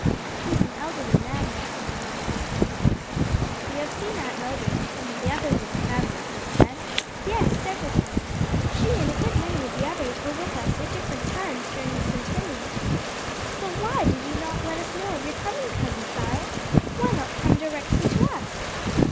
"He is an elderly man now," remarked his son. "You have seen Aunt Mildred and some others of the family since then?" "Yes, several times; she and a good many of the others were with us at different times during the Centennial. But why did you not let us know of your coming, Cousin Cyril? why not come directly to us?"